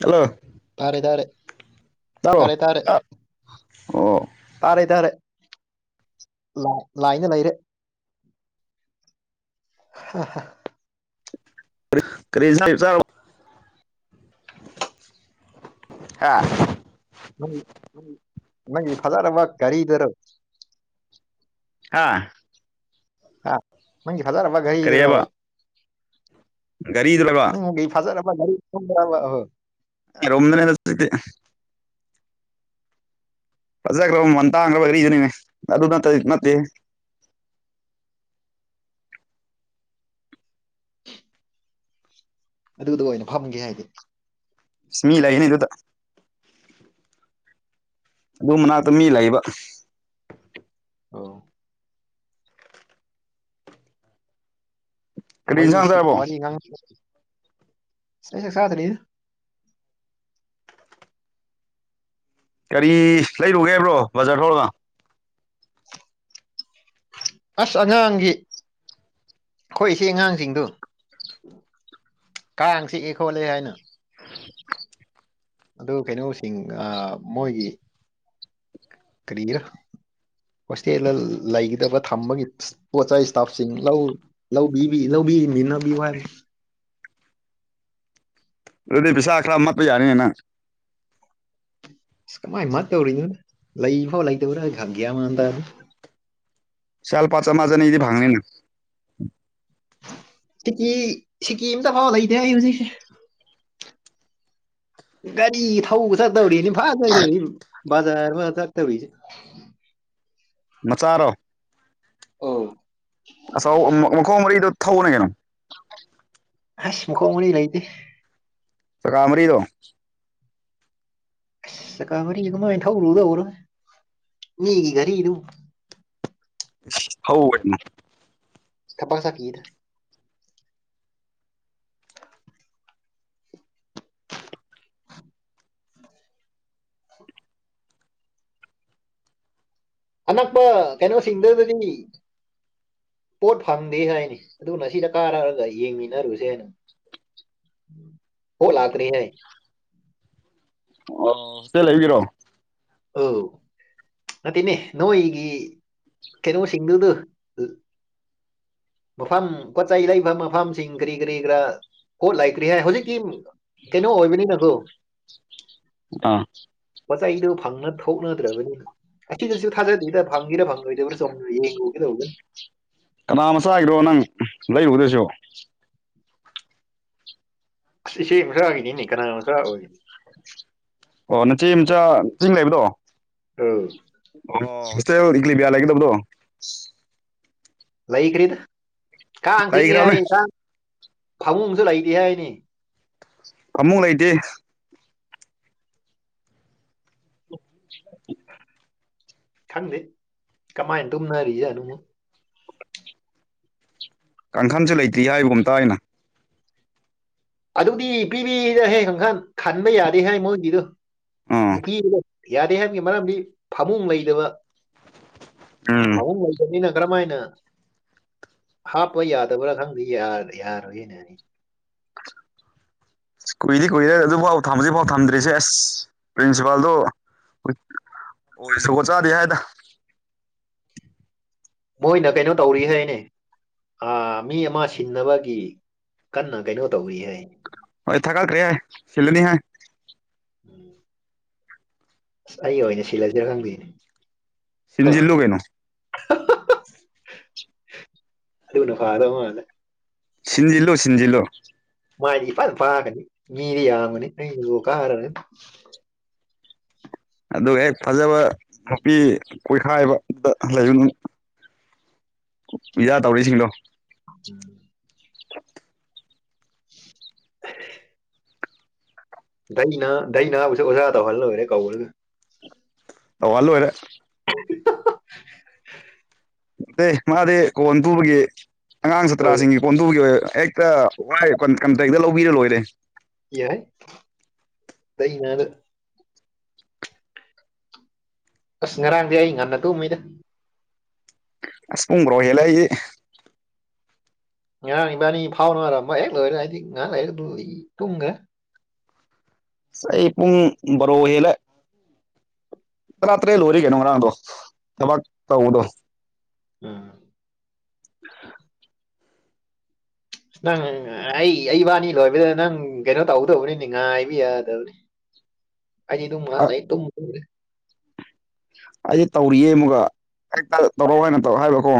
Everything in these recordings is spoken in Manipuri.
ꯆꯠꯂꯣ ꯐꯔꯦ ꯇꯥꯔꯦ ꯐꯔꯦ ꯇꯥꯔꯦ ꯑꯣ ꯇꯥꯔꯦ ꯇꯥꯔꯦ ꯂꯥꯏ ꯂꯥꯏꯟꯗ ꯂꯩꯔꯦ [unintelligible] ꯀꯔꯤ ꯏꯟꯁꯥꯡ ꯆꯥꯔ [inaudible] ꯍꯥꯥ ꯅꯪ ꯅꯪꯒꯤ ꯐꯖꯔꯕ ꯒꯥꯔꯤꯗꯨꯔꯣ ꯍꯥ ꯍꯥ ꯅꯪꯒꯤ ꯐꯖꯔꯕ ꯒꯔꯤꯗꯨꯔꯣ ꯀꯔꯤꯑꯕ ꯒꯥꯔꯤꯗꯨꯔꯕ ꯐꯥꯅꯥ ꯑꯩ [unintelligible] ꯔꯣꯝꯅ ꯁꯤ [unintelligible] ꯐꯖꯒ꯭ꯔ ꯃ‌ꯣꯟꯇꯥꯡꯕꯔꯤꯅꯤ ꯑꯗꯨ ꯅꯠ ꯅꯠꯇꯦ ꯑꯗꯨꯗꯨ ꯑꯣꯏꯅ ꯐꯝꯒꯦ ꯍꯥꯏꯗꯦ꯫ ꯑꯁ ꯃꯤ ꯂꯩꯒꯅꯤ ꯑꯗꯨꯗ ꯌꯨꯝ ꯃꯅꯥꯛꯇ ꯃꯤ ꯂꯩꯕ ꯑꯣ ꯀꯔꯤ ꯋꯥꯔꯤꯁꯨ ꯏꯟꯁꯥꯡꯕꯣ ꯋꯥꯔꯤ ꯉꯥꯡ ꯑꯩ ꯆꯥꯛ ꯆꯗꯔꯤꯌꯦ ꯀꯔꯤ ꯂꯩꯔꯨꯒꯦ ꯍꯥꯏꯕ꯭ꯔꯣ ꯕꯖꯥꯔ ꯐꯥꯎꯕ ꯑꯁ ꯑꯉꯥꯡꯒꯤ ꯑꯩꯈꯣꯏ ꯏꯆꯦ ꯑꯉꯥꯡꯁꯤꯡꯗꯨ ꯀꯪ ꯆꯤꯛꯀꯦ ꯈꯣꯠꯂꯦꯍꯥꯏꯅ ꯑꯗꯨ ꯀꯩꯅꯣꯁꯤꯡ ꯃꯣꯏꯒꯤ ꯀꯥꯔꯤꯔꯥ ꯍꯣꯁꯇꯦꯜꯗ ꯂꯩꯒꯗꯕ ꯊꯝꯕꯒꯤ ꯄꯣꯠ ꯏꯁꯇꯥꯐꯁꯤꯡ ꯂꯧ ꯂꯧꯕꯤꯕꯤ ꯂꯧꯕꯤ ꯃꯤꯅ ꯋꯥꯏꯅꯤ ꯑꯗꯨꯗꯤ ꯄꯕꯤꯁꯥ ꯈꯔ ꯃꯠꯇ ꯌꯥꯅꯤꯅ ꯅꯪ ꯑꯁ ꯀꯃꯥꯏ ꯃꯥ ꯇꯧꯔꯤꯅꯣ ꯂꯩꯐꯥꯎ ꯂꯩꯗꯧꯔ ꯒꯌ꯭ꯥꯟ ꯃꯥꯟ ꯇꯥꯗꯦ ꯫ ꯆꯦꯜ ꯆꯥꯃ ꯆꯥꯅꯤꯗꯤ ꯐꯪꯅꯤꯅ ꯁꯤꯀꯤ ꯁꯤꯀꯤꯝꯇ ꯐꯥꯎ ꯂꯩꯇꯦ ꯑꯩ ꯍꯧꯖꯤꯛꯁꯦ ꯒꯥꯔꯤ ꯊꯧꯕꯒ ꯆꯠꯇꯧꯔꯤ ꯏꯐꯥ ꯆꯗꯧꯔꯤ ꯕꯖꯥꯔ ꯑꯃ ꯆꯠꯇꯧꯔꯤꯁꯦ ꯃꯆꯥꯔꯣ ꯑꯣ ꯑꯥꯎ ꯃꯈꯣꯡ ꯃꯔꯤꯗꯣ ꯊꯧꯕꯅ ꯀꯩꯅꯣ ꯑꯁ ꯃꯈꯣꯡ ꯃꯥꯔꯤ ꯂꯩꯇꯦ꯫ ꯆꯥꯀꯥꯃꯔꯤꯔꯣ ꯑꯁ ꯆꯀꯥ ꯃꯔꯤ ꯀꯃꯥꯏ ꯊꯧꯔꯨꯗꯔ ꯃꯤꯒꯤ ꯒꯔꯤ ꯗꯨ ꯏꯁ ꯊꯥꯎ ꯀꯩꯅꯣ ꯊꯕꯛ ꯆꯠꯈꯤꯗ ꯑꯅꯛꯄ ꯀꯩꯅꯣꯁꯤꯡꯗꯨꯗꯤ ꯄꯣꯠ ꯐꯪꯗꯦ ꯍꯥꯏꯔꯤ ꯑꯗꯨꯅ ꯁꯤꯗ ꯀꯥꯔꯛꯑꯒ ꯌꯦꯡꯃꯤꯟꯅꯔꯨꯁꯦ ꯍꯥꯏꯅ ꯄꯣꯠ ꯂꯛꯇꯔ꯭ꯦꯍꯥꯏ ꯑꯣ ꯍꯣꯁꯇ꯭ꯦꯜ ꯂꯩꯔꯤꯔꯣ ꯑꯣ ꯅꯠꯇꯦꯅꯦ ꯅꯣꯏꯒꯤ ꯀꯩꯅꯣꯁꯤꯡꯗꯨꯗꯨ ꯃꯐꯝ ꯄꯣꯠ ꯆꯩ ꯂꯩꯕ ꯃꯐꯝꯁꯤꯡ ꯀꯔꯤ ꯀꯔꯤ ꯈꯔ ꯄꯣꯠ ꯂꯩꯇ꯭ꯔꯤ ꯍꯥꯏ ꯍꯨꯖꯤꯛꯇꯤ ꯀꯩꯅꯣ ꯑꯣꯏꯕꯅꯤꯅꯀꯣ [unintelligible] ꯄꯣꯠ ꯆꯩꯗꯨ ꯐꯪꯅ ꯊꯣꯛꯅꯗ꯭ꯔꯕꯅꯤꯅ ꯑꯁꯤꯗꯁꯨ ꯊꯥꯖꯗꯦꯗ ꯐꯪꯉꯤꯔꯥ ꯐꯪꯂꯣꯏꯗꯕ꯭ꯔꯥ ꯌꯦꯡꯉꯨꯒꯦꯗꯧꯕꯅꯤ ꯀꯅꯥ ꯃꯆꯥꯒꯤꯔꯣ ꯅꯪ ꯂꯩꯔꯨꯗꯣꯏꯖꯤꯕꯣ ꯑꯁ ꯏꯆꯦ ꯃꯆꯥꯒꯤꯅꯤꯅꯦ ꯀꯅꯥ ꯃꯆꯥ ꯑꯣꯏ ꯑꯣ ꯅꯆꯦ ꯃꯆꯥ ꯆꯤꯡ ꯂꯩꯕꯗꯣ ꯑꯧ ꯑꯣꯁꯤꯁꯇꯔ ꯑ‌ꯣꯂꯤꯕꯤ ꯌꯥ ꯂꯩꯒꯗꯕꯗꯣ ꯂꯩꯈ꯭ꯔꯤꯗ ꯀꯥꯡ ꯆꯥꯛꯏ ꯂꯩꯈ꯭ꯔꯕꯅꯦ ꯍꯥꯏ ꯀꯥꯡ ꯐꯃꯨꯡꯗ ꯂꯩꯇꯦ ꯍꯥꯏꯅꯤ ꯐꯥꯃꯨꯡ ꯂꯩꯇꯦ [unintelligible] [inaudible] ꯈꯪꯗꯦ ꯀꯃꯥꯏꯅ ꯇꯨꯝꯅꯔꯤꯖꯥꯠꯅꯨꯃꯨꯛ ꯀꯥꯡꯈꯟꯁꯨ ꯂꯩꯇꯤ ꯍꯥꯏꯕꯒꯨꯝ ꯇꯥꯏꯅ ꯑꯗꯨꯗꯤ ꯄꯤꯕꯤꯗ ꯍꯦ ꯀꯥꯡꯈꯟ ꯈꯟꯕ ꯌꯥꯗꯦ ꯍꯥꯏ ꯃꯣꯏꯒꯤꯗꯨ ꯑꯥ ꯅꯨꯄꯤꯗꯨꯅ ꯌꯥꯗꯦ ꯍꯥꯏꯕꯒꯤ ꯃꯔꯝꯗꯤ ꯐꯃꯨꯡ ꯂꯩꯇꯕ ꯎꯝ ꯐꯃꯨꯡ ꯅꯤꯅ ꯀꯔꯝꯃꯥꯏꯅ ꯍꯥꯞꯄ ꯌꯥꯗꯕ꯭ꯔꯥ ꯈꯪꯗꯦ ꯌꯥꯔꯣꯏꯅ ꯑꯅꯤ ꯀꯨꯏꯗꯤ ꯀꯨꯏꯔꯦ ꯑꯗꯨꯕꯥꯥꯎ ꯊꯝꯖꯤꯕꯥꯎ ꯊꯝꯗ꯭ꯔꯤꯁꯦ ꯑꯦꯁ ꯄ꯭ꯔꯤꯟꯁꯤꯄꯥꯜꯗꯣ [unintelligible] ꯖꯨꯒꯣꯠ ꯆꯥꯗꯦ ꯍꯥꯏꯗ ꯃꯣꯏꯅ ꯀꯩꯅꯣ ꯇꯧꯔꯤꯍꯥꯏꯅꯦ ꯑꯥ ꯃꯤ ꯑꯃ ꯁꯤꯟꯅꯕꯒꯤ ꯀꯟꯅ ꯀꯩꯅꯣ ꯇꯧꯔꯤ ꯍꯥꯏ ꯍꯣꯏ ꯊꯥꯒꯠꯈꯔ꯭ꯦ ꯍꯥꯏ ꯁꯤꯜꯂꯅꯤ ꯍꯥꯏ ꯎꯝ ꯑꯁ ꯑꯩ ꯑꯣꯏꯅ ꯁꯤꯜꯂꯖꯤꯔ ꯈꯪꯗꯦꯅꯦ ꯍ ꯁꯤꯟꯖꯤꯜꯂꯨ ꯀꯩꯅꯣ ꯑꯗꯨꯅ ꯐꯥꯒ ꯗꯧ ꯃꯥꯜꯂꯦ ꯁꯤꯟꯖꯤꯜꯂꯨ ꯁꯤꯟꯖꯤꯜꯂꯨ ꯃꯥꯏꯗꯤ ꯐꯅ ꯄꯥꯛꯀꯥꯅꯤ ꯃꯤꯗꯤ ꯌꯥꯝꯕꯅꯤ [unintelligible] ꯑꯗꯨꯒ ꯍꯦꯛ ꯐꯖꯕ ꯅꯨꯄꯤ ꯀꯣꯏꯈꯥꯏꯕꯗ ꯂꯩꯌꯨ ꯅꯪ ꯎꯌꯥ ꯇꯧꯔꯤꯁꯤꯡꯗꯣ [inaudible] [unintelligible] ꯗꯩꯅꯥ ꯗꯩꯅꯥ ꯕꯨꯁꯨ ꯑꯣꯖꯥ ꯇꯧꯍꯜ ꯂꯣꯏꯔꯦ ꯀꯧꯔꯒ ꯇꯧꯍꯜ ꯂꯣꯏꯔꯦ [unintelligible] ꯑꯦ ꯃꯥꯗꯤ ꯀꯣꯟ ꯇꯨꯕꯒꯤ ꯑꯉꯥꯡ ꯑ ꯁꯥꯇ꯭ꯔꯥꯁꯤꯡꯒꯤ ꯀꯣꯟ ꯇꯨꯕꯒꯤ ꯑꯣꯏ ꯍꯦꯛ ꯇꯥ ꯋꯥꯏ ꯀꯟꯇꯦꯛꯇ ꯂꯧꯕꯤꯔ ꯂꯣꯏꯔꯦ ꯌꯥꯏ ꯇꯩꯅ ꯑꯁ ꯉꯔꯥꯡꯗꯤ ꯑꯩ ꯉꯟꯅ ꯇꯨꯝꯃꯤꯗ ꯑꯁ ꯄꯨꯡꯕ꯭ꯔꯣ ꯍꯦꯜꯂꯦ ꯑꯩꯗꯤ ꯉꯔꯥꯡ ꯏꯕꯥꯅꯤ ꯐꯥꯎꯅꯔꯝꯕ ꯍꯦꯛ ꯂꯣꯏꯔ ꯑꯩꯗꯤ ꯉꯥꯍꯥꯛ ꯂꯩꯔ ꯑꯗꯨ ꯇꯨꯝꯒꯔ꯭ꯦ ꯑꯁ ꯑꯩ ꯄꯨꯡ ꯕꯔꯣ ꯍꯦꯜꯂꯦ ꯇꯔꯥ ꯇꯔꯦꯠ ꯂꯣꯏꯔꯦ ꯀꯩꯅ ꯉꯔꯥꯡꯗꯣ ꯊꯕꯛ ꯇꯧꯕꯗꯣ ꯎꯝ ꯅꯪ ꯑꯩ ꯑꯩꯕꯥꯅꯤ ꯂꯣꯏꯕꯗ ꯅꯪ ꯀꯩꯅꯣ ꯇꯧꯗꯧꯕꯅꯤꯅꯤ ꯉꯥꯏꯕ ꯌꯥꯗꯕꯅꯤ ꯑꯩꯗꯤ ꯗꯨꯝ ꯉꯥꯛ ꯂꯩ [unintelligible] ꯑꯩꯗꯤ ꯇꯧꯔꯤꯌꯦ ꯑꯃꯨꯛꯒ ꯍꯦꯛꯇ ꯇꯧꯔꯑꯣ ꯍꯥꯏꯅ ꯇꯧ ꯍꯥꯏꯕꯀꯣ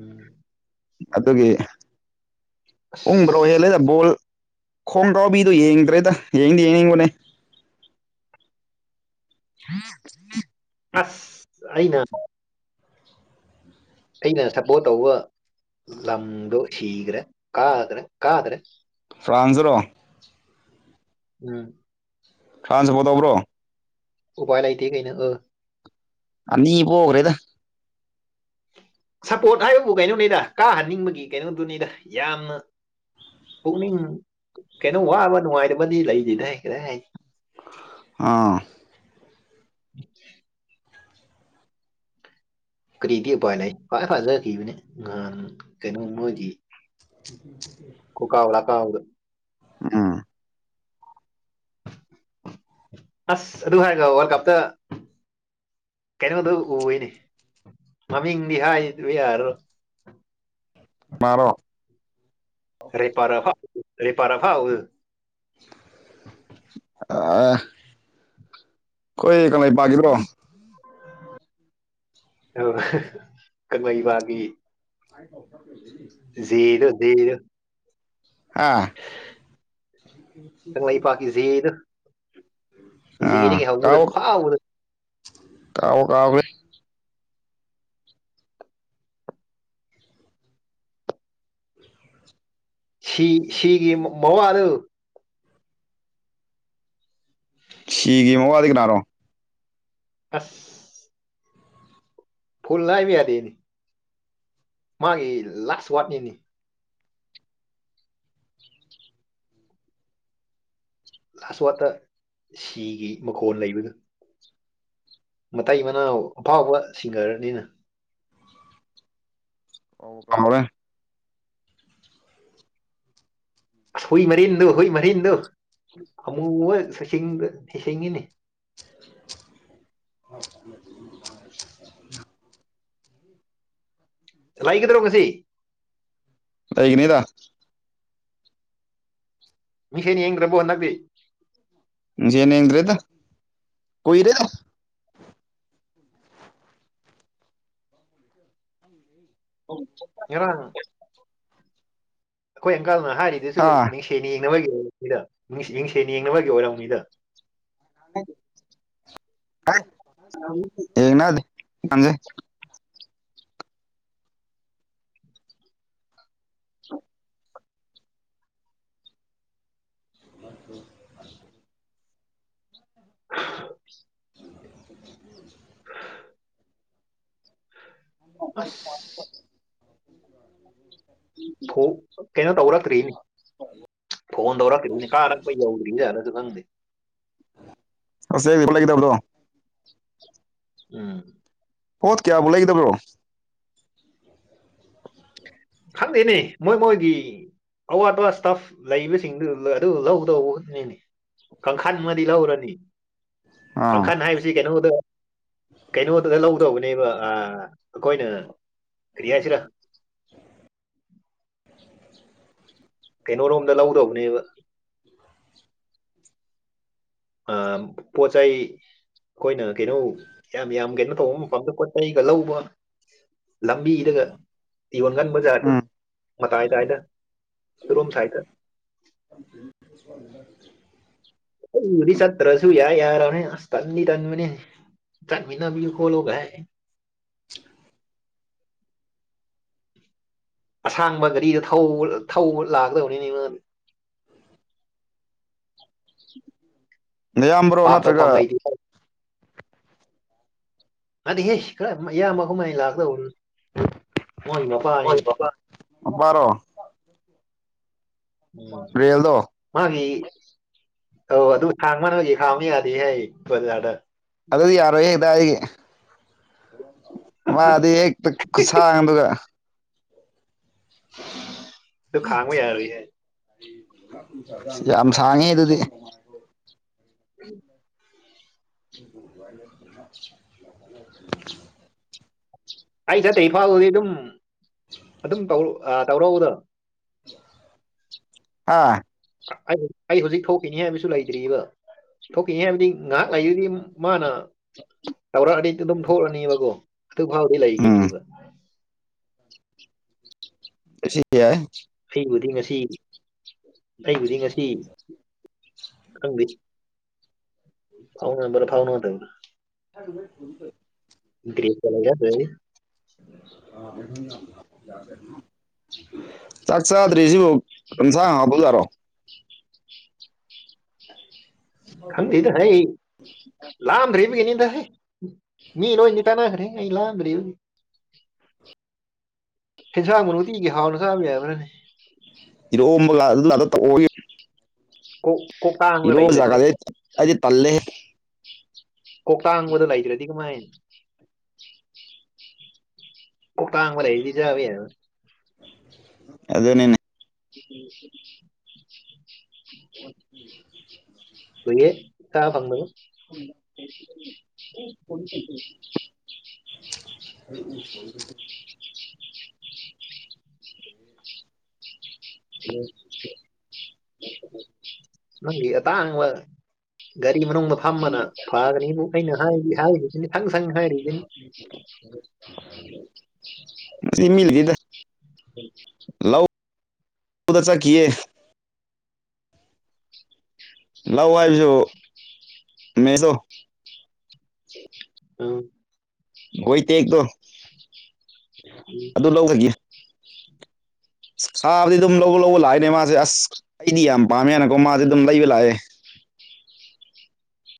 ꯎꯝ ꯑꯗꯨꯒꯤ ꯎꯕ ꯍꯣ ꯍꯦꯜꯂꯦꯗ ꯕꯣꯜ ꯈꯣꯡꯒꯥꯎꯕꯤꯗꯣ ꯌꯦꯡꯗ꯭ꯔꯦꯗ ꯌꯦꯡꯗꯤ ꯌꯦꯡꯅꯤꯡꯕꯅꯦ [inaudible] ꯑꯁ ꯑꯩꯅ ꯑꯩꯅ ꯁꯞꯄꯣꯔꯠ ꯇꯧꯕ ꯂꯝꯗꯣ ꯁꯤꯈ꯭ꯔꯦ ꯀꯥꯗ꯭ꯔꯦ ꯀꯥꯗ꯭ꯔꯦ ꯐ꯭ꯔꯥꯟꯖꯔꯣ ꯎꯝ ꯇ꯭ꯔꯥꯟꯁ ꯁꯄꯣꯔꯠ ꯇꯧꯕ꯭ꯔꯣ ꯎꯄꯥꯏ ꯂꯩꯇꯦ ꯀꯩꯅ ꯎ ꯑꯅꯤ ꯄꯣꯒ꯭ꯔꯦꯗ ꯁꯄꯣꯠ ꯍꯥꯏꯕꯕꯨ ꯀꯩꯅꯣꯅꯤꯗ ꯀꯥꯍꯟꯅꯤꯡꯕꯒꯤ ꯀꯩꯅꯣꯗꯨꯅꯤꯗ ꯌꯥꯝꯅ ꯄꯨꯛꯅꯤꯡ ꯀꯩꯅꯣ ꯋꯥꯕ ꯅꯨꯡꯉꯥꯏꯇꯕꯗꯤ ꯂꯩꯇꯦꯗꯍꯦ ꯀꯗꯥꯏꯗꯩꯩ ꯑꯥ [inaudible] ꯀꯔꯤꯗꯤ ꯎꯄꯥꯏ ꯂꯩ ꯈ꯭ꯋꯥꯏ ꯐꯥꯖ ꯏꯕꯅꯦ ꯉꯍꯥꯟ ꯀꯩꯅꯣ ꯃꯣꯏꯒꯤ [unintelligible] ꯀꯣꯀꯥ ꯀꯣꯂꯥ ꯀꯥꯥꯎꯗ ꯑꯝ ꯑꯁ ꯑꯗꯨ ꯍꯥꯏꯔꯒ ꯋꯥꯔꯜ ꯀꯞꯇ ꯀꯩꯅꯣꯗ ꯎꯏꯌꯦꯅꯦ ꯃꯃꯤꯡꯗꯤ ꯍꯥꯏꯕ ꯌꯥꯔꯔꯣ ꯃꯥꯔꯣ ꯔꯦꯄꯥꯔ ꯐꯥꯎ ꯔꯦꯄꯥꯔ ꯐꯥꯎ ꯑ ꯑꯩꯈꯣꯏ ꯀꯪꯂꯩꯄꯥꯒꯤꯗ꯭ꯔꯣ ꯑ ꯀꯪꯂꯩꯕꯥꯒꯤ ꯑꯥꯢ ꯑꯣ ꯖꯤꯗꯣ ꯗꯤꯗꯣ ꯍꯥ ꯀꯪꯂꯩꯄꯥꯛꯀꯤ ꯖꯦꯗꯣ ꯑꯥ ꯖꯦꯗꯒꯤ ꯍꯧꯕꯗꯣ ꯐꯥꯎꯕꯗ ꯀꯥꯎꯕꯨ ꯀꯥꯎꯒ꯭ꯔꯦ ꯁꯤ ꯁꯤꯒꯤ ꯃꯋꯥꯗꯨ ꯁꯤꯒꯤ ꯃꯋꯥ ꯑꯗꯤ ꯀꯅꯥꯔꯣ ꯑꯁ ꯐꯨꯜ ꯍꯥꯏꯕ ꯌꯥꯗꯦꯅꯤ ꯃꯥꯒꯤ ꯂꯥꯁ ꯋꯥꯔꯠꯅꯤꯅꯦ ꯂꯥꯁ ꯋꯥꯔꯠꯇ ꯁꯤꯒꯤ ꯃꯈꯣꯟ ꯂꯩꯕꯗ ꯃꯇꯩ ꯃꯅꯥꯎ ꯑꯐꯥꯎꯕ ꯁꯤꯡꯒꯔꯅꯤꯅ [unintelligible] ꯑꯁ ꯍꯨꯏ ꯃꯔꯤꯟꯗꯣ ꯍꯨꯏ ꯃꯔꯤꯟꯗꯣ ꯑꯃꯨꯃ ꯁꯣꯏꯁꯤꯡ ꯁꯤꯡꯉꯤꯅꯤ [unintelligible] ꯂꯩꯒꯗ꯭ꯔꯣ ꯉꯁꯤ ꯂꯩꯒꯅꯤꯗ ꯃꯤꯡꯁꯦꯟ ꯌꯦꯡꯗꯔꯕꯣ ꯅꯡꯗꯤ ꯃꯤꯠꯁꯦꯜ ꯌꯦꯡꯗ꯭ꯔꯦꯗ ꯀꯨꯏꯔꯦꯗ ꯎ ꯉꯔꯥꯡ ꯑꯩꯈꯣꯏ ꯑꯪꯀꯥꯜꯅ ꯍꯥꯏꯔꯤꯗꯨꯁꯨ ꯍꯥ ꯃꯤꯡꯁꯦꯟ ꯌꯦꯡꯅꯕꯒꯤ ꯑꯣꯏꯔꯃꯤꯗ ꯃꯤꯡꯁ ꯃꯤꯡꯁꯦꯜ ꯌꯦꯡꯅꯕꯒꯤ ꯑꯣꯏꯔꯝꯃꯤꯗ [unintelligible] [inaudible] [unintelligible] [inaudible] ꯑꯁ ꯍ ꯍ ꯀꯩꯅꯣ ꯇꯧꯔꯛꯛꯇ ꯔꯔꯤꯅꯤ ꯐꯣꯟ ꯇꯧꯔꯛꯇꯈꯤꯕꯗꯨꯅꯤ ꯀꯥꯔꯛꯄ ꯌꯧꯗ꯭ꯔꯤꯅꯦꯅꯁꯨ ꯈꯪꯗꯦ ꯍꯁ ꯑꯩꯒꯤ ꯄꯣꯠ ꯂꯩꯒꯗꯕꯗꯣ ꯎꯝ ꯄꯣꯠ ꯀꯌꯥꯕꯨ ꯂꯩꯒꯗꯕ꯭ꯔꯣ ꯈꯪꯗꯦꯅꯦ ꯃꯣꯏ ꯃꯣꯏꯒꯤ ꯑꯋꯥꯠ ꯑꯄꯥ ꯁꯇꯥꯐ ꯂꯩꯕꯁꯤꯡꯗꯨ ꯑꯗꯨ ꯂꯧꯧꯗꯧꯕꯠꯅꯦꯅꯦ ꯀꯥꯡꯈꯟ ꯑꯃꯗꯤ ꯂꯧꯔꯅꯤ ꯑꯥ ꯀꯥꯡꯈꯟ ꯍꯥꯏꯕꯁꯤ ꯀꯩꯅꯣꯗ ꯀꯩꯅꯣꯗꯨꯗ ꯂꯧꯗꯧꯕꯅꯦꯕ ꯑꯩꯈꯣꯏꯅ ꯀꯔꯤ ꯍꯥꯏꯁꯤꯔꯥ [inaudible] ꯀꯩꯅꯣꯔꯣꯝꯗ ꯂꯧꯗꯧꯕꯅꯦꯕ ꯑ ꯄꯣ ꯆꯩꯥꯏ ꯑꯩꯈꯣꯏꯅ ꯀꯩꯅꯣ ꯌꯥꯝ ꯌꯥꯝ ꯀꯩꯅꯣ ꯇꯧꯕ ꯃꯐꯝꯗꯣ ꯄꯣꯠ ꯆꯩꯒ ꯂꯧꯕ ꯂꯝꯕꯤꯗꯒ ꯌꯣꯟꯒꯟꯕꯖꯥꯇꯣ ꯎꯝ ꯃꯇꯥꯏꯗꯥꯏꯗ ꯑꯗꯣꯝ ꯁꯏꯠꯇ [unintelligible] ꯑꯩꯕꯨꯗꯤ ꯆꯠꯇ꯭ꯔꯁꯨ ꯌꯥꯏ ꯌꯥꯔꯕꯅꯦ ꯑꯁ ꯇꯟꯗꯤ ꯇꯟꯕꯅꯦ ꯆꯠꯃꯤꯟꯅꯕꯒꯤ ꯈꯣꯂꯣꯒ ꯍꯥꯏ [unintelligible] ꯑꯁꯥꯡꯕ ꯒꯥꯔꯤꯗ ꯊꯧꯕ ꯂꯥꯛꯀꯗꯕꯅꯤꯅꯦ ꯑꯌꯥꯝꯕ꯭ꯔꯣ ꯄꯥꯞ ꯅꯠꯇ꯭ꯔꯒ ꯇꯧꯐꯝ ꯂꯩꯇꯦ ꯅꯠꯇꯦꯍꯦ ꯈꯔ ꯏꯌꯥꯝꯕꯒꯨꯝ ꯑꯩꯅ ꯂꯥꯛꯀꯗꯧꯕꯅꯤ ꯔꯣ ꯎꯝ ꯔꯦꯜꯗꯣ ꯃꯥꯒꯤ ꯑꯧ ꯑꯗꯨ ꯁꯥꯡ ꯃꯥꯟꯅꯕꯒꯤ ꯈꯥꯎꯅꯤ ꯌꯥꯗꯦꯍ ꯕꯖꯥꯔꯗ ꯑꯗꯨꯗꯤ ꯌꯥꯔꯣꯏ ꯍꯥꯏꯗꯥꯒꯦ ꯃꯥꯗꯤ ꯍꯦꯛꯇ ꯈꯨꯠꯁꯥꯡ ꯑꯗꯨꯒ [unintelligible] ꯌꯥꯔꯣꯏ ꯍꯥꯏ ꯌꯥꯝ ꯁꯥꯡꯉꯦ ꯑꯗꯨꯗꯤ ꯎꯝ [inaudible] ꯑꯩ ꯆꯠꯇꯩ ꯐꯥꯎꯕꯗꯤ ꯑꯗꯨꯝ ꯑꯗꯨꯝ ꯇꯧ ꯑꯥ ꯇꯧꯔꯛꯎꯗ ꯑꯥ ꯑꯩ ꯑꯩ ꯍꯧꯖꯤꯛ ꯊꯣꯛꯈꯤꯅꯤ ꯍꯥꯏꯕꯁꯨ ꯂꯩꯇ꯭ꯑꯔꯤꯕ ꯊꯣꯛꯈꯤꯅꯤ ꯍꯥꯏꯕꯗꯤ ꯉꯥꯏꯍꯥꯛ ꯂꯩꯥꯛꯏꯗꯨꯗꯤ ꯃꯥꯅ ꯇꯧꯔꯛꯑꯗꯤ ꯑꯩꯗꯤ ꯑꯗꯨꯝ ꯐꯨꯔꯅꯤꯕꯀꯣ ꯑꯗꯨ ꯐꯥꯎꯗꯤ ꯎꯝ ꯂꯩꯈꯤꯅꯤꯕ [inaudible] ꯁꯤ ꯁꯤ ꯌꯥ ꯑꯩꯕꯨꯗꯤ ꯉꯁꯤ ꯑꯩꯕꯨꯗꯤ ꯉꯁꯤ ꯁꯪ ꯐꯥꯎꯅꯔ ꯐꯥꯎꯅ ꯇ ꯍ ꯔꯤ ꯀ ꯌꯥꯗꯗꯤ ꯑ [unintelligible] ꯆꯥꯛ ꯆꯥꯗ꯭ꯔꯤꯁꯤꯕꯨ ꯀꯟꯁꯥꯡ ꯍꯥꯞꯕꯖꯥꯔꯣ ꯈꯪꯗꯦꯗ ꯍ ꯂꯥꯝꯗ꯭ꯔꯦ ꯏꯕꯒꯤꯅꯤꯗ ꯍꯦ ꯃꯤ ꯂꯣꯏꯗꯤ ꯇꯅꯈ꯭ꯔꯦ ꯑꯩ ꯂꯥꯟꯅꯗꯤ ꯍꯦꯟꯁꯥꯡꯕꯨ ꯅꯨꯡꯇꯤꯒꯤ ꯍꯥꯎꯅ ꯆꯥꯕ ꯌꯥꯕ꯭ꯔꯥꯅꯦ ꯏꯗꯣ ꯑꯗꯨ ꯀꯣꯛ ꯀꯣꯛ ꯇꯥꯡꯕ ꯂꯩꯇ꯭ꯔꯗꯤ ꯔꯣꯖꯒꯗꯦ ꯑꯗꯨꯗꯤ ꯇꯜꯂꯦ ꯀꯣꯛꯇꯥꯡꯕꯗꯣ ꯂꯩꯒ꯭ꯔ ꯀꯃ ꯀ ꯀꯥꯡꯒꯕ ꯂꯩꯗꯤꯖꯕ ꯍꯥꯏ ꯑꯗꯨꯅꯤꯅꯦ ꯎꯝ ꯀꯣꯏꯑꯦ ꯆꯥꯕ ꯐꯪꯗꯕꯩ ꯎꯝ INAUDIBLE ꯅ ꯑ ꯇꯪ ꯒꯥꯔꯤ ꯃꯅꯨꯡꯗ ꯐꯝꯕꯅ ꯐꯒꯅꯤ ꯑꯩꯅ ꯍꯥꯏꯔꯤꯁꯤꯅꯤ ꯁꯪ ꯁꯪ ꯍꯥꯏꯔꯤꯁꯤꯅꯤ ꯁꯤ ꯁꯤ ꯃꯤꯜꯖꯗ ꯂꯗ ꯆꯀꯤꯌꯦ ꯂꯥꯛ ꯍꯥꯏꯕꯁꯨ ꯃꯗꯣ ꯑ ꯍꯣꯏ ꯇꯦꯛꯇꯣ ꯎꯝ ꯑꯗꯨ ꯂꯧꯕꯒꯤ ꯁꯥꯗꯤ ꯑꯗꯨꯝ ꯂꯧꯕ ꯂꯧꯕ ꯂꯥꯛꯑꯦꯅꯦ ꯃꯥꯁꯦ ꯑꯁ ꯑꯩꯗꯤ ꯌꯥꯝ ꯄꯥꯝꯃꯦ ꯍꯥꯏꯅꯀꯣ ꯃꯥꯁꯦ ꯑꯗꯨꯝ ꯂꯩꯕ ꯂꯥꯛꯑꯦ